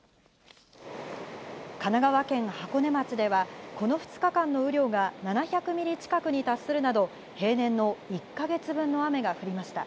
神奈川県箱根町では、この２日間の雨量が７００ミリ近くに達するなど、平年の１か月分の雨が降りました。